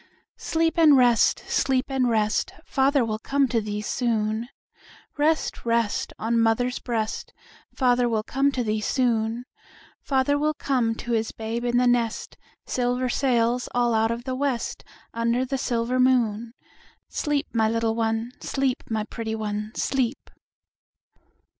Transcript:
Sleep and rest, sleep and rest, Father will come to thee soon; Rest, rest, on mother's breast, Father will come to thee soon; Father will come to his babe in the nest, Silver sails all out of the west Under the silver moon; Sleep, my little one, sleep, my pretty one, sleep.